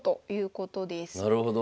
なるほど。